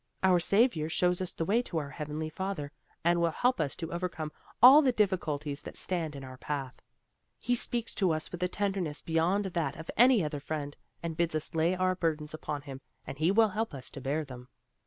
Our Savior shows us the way to our Heavenly Father, and will help us to overcome all the difficulties that stand in our path. He speaks to us with a tenderness beyond that of any other friend, and bids us lay our burdens upon Him and He will help us to bear them."